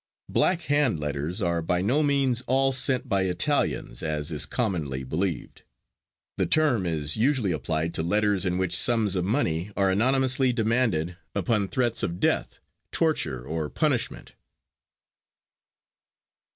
"Black Hand" letters are by no means all sent by Italians, as is commonly believed. The term is usually applied to letters in which sums of money are anonymously demanded, upon threats of death, torture or punishment.